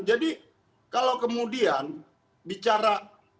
jadi kalau kemudian bicara